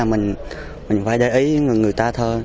mình phải để ý người ta thôi